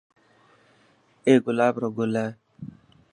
اي گلاب رو گل هي.